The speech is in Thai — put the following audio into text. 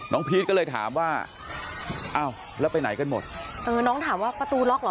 พีชก็เลยถามว่าอ้าวแล้วไปไหนกันหมดเออน้องถามว่าประตูล็อกเหรอ